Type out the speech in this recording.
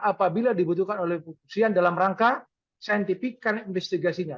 apabila dibutuhkan oleh polisian dalam rangka saintifik dan investigasinya